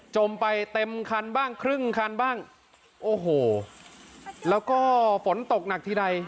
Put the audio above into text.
มไปเต็มคันบ้างครึ่งคันบ้างโอ้โหแล้วก็ฝนตกหนักทีใด